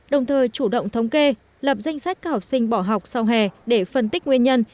đồng thời chủ động thống kê lập danh sách các học sinh bỏ học sau hè để phân tích nguyên nhân